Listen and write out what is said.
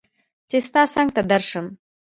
چې ستا څنګ ته درشم